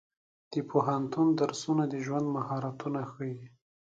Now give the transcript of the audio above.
د پوهنتون درسونه د ژوند مهارتونه ښيي.